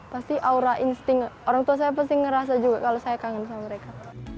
pasti aura insting orang tua saya pasti ngerasa juga kalau saya kangen sama mereka